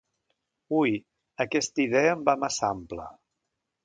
Ui, aquesta idea em va massa ampla!